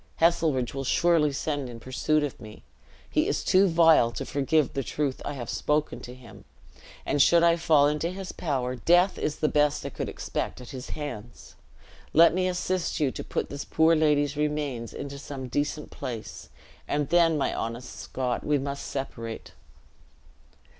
Heselrigge will surely send in pursuit of me. He is too vile to forgive the truth I have spoken to him; and should I fall into his power, death is the best I could expect at his hands. Let me assist you to put this poor lady's remains into some decent place; and then, my honest Scot, we must separate."